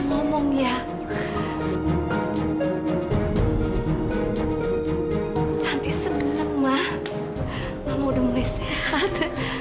mama udah mulai sehat